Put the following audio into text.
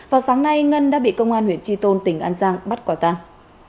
vào sáng nay ngân đã bị công an huyện tri tôn tỉnh an giang bắt quả tang